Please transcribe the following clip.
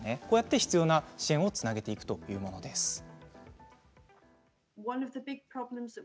こうして必要な支援をつなげていくものです。